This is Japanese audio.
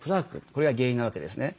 これが原因なわけですね。